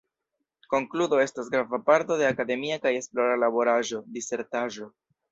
Konkludo estas grava parto de akademia kaj esplora laboraĵo, disertaĵo.